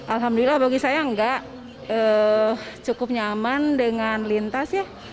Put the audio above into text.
alhamdulillah bagi saya enggak cukup nyaman dengan lintas ya